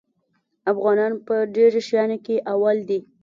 افغانان په ډېرو شیانو کې اول دي.